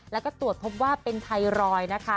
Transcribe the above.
แล้วก็ตรวจพบว่าเป็นไทรอยด์นะคะ